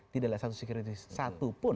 tidak lihat satu sekuriti satu pun